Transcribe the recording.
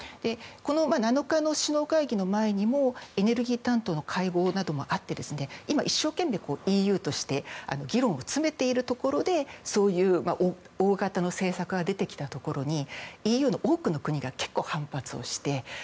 この７日の首脳会議の前にもエネルギー担当の会合などもあって今、一生懸命ＥＵとして議論を詰めているところでそういう大型の政策が出てきたところにＥＵの多くの国が結構、反発をして。